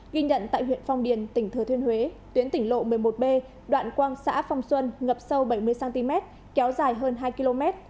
ghi nhận tại huyện phong điền tỉnh thừa thiên huế tuyến tỉnh lộ một mươi một b đoạn quang xã phong xuân ngập sâu bảy mươi cm kéo dài hơn hai km